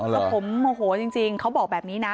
แล้วผมโมโหจริงเขาบอกแบบนี้นะ